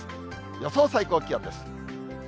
予想最高気温です。